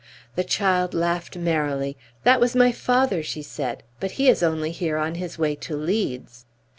The child laughed merrily. "That was my father," she said; "but he is only here on his way to Leeds."